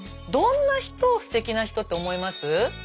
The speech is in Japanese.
どんな人をステキな人って思います？